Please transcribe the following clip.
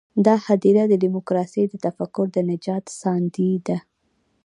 دا هدیره د ډیموکراسۍ د تفکر د نجات ساندې ده.